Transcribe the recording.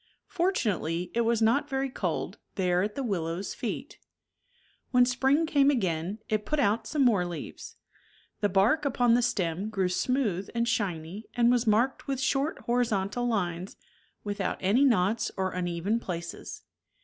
Fortunately it was not very cold, there at the willow's feet When spring came again, it put out some more leaves. The bark upon the stem grew smooth and shiny and was marked with short horizontal lines, without any knots or uneven places.